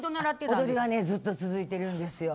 踊りがずっと続いてるんです。